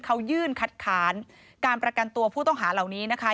เขายื่นคัดค้านการประกันตัวผู้ต้องหาเหล่านี้นะคะ